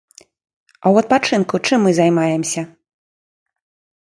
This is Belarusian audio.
А ў адпачынку чым мы займаемся?